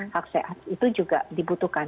hak sehat itu juga dibutuhkan